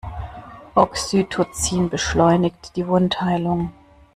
Oxytocin beschleunigt die Wundheilung.